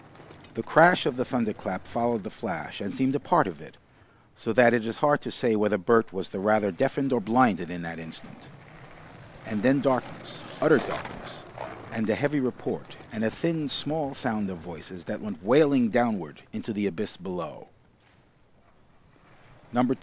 The crash of the thunder clap followed the flash and seemed a part of it, so that it is hard to say whether Bert was the rather deafened or blinded in that instant. And then darkness, utter darkness, and a heavy report and a thin small sound of voices that went wailing downward into the abyss below.